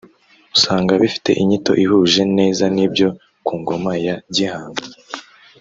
usanga bifite inyito ihuje neza n’ibyo ku ngoma ya Gihanga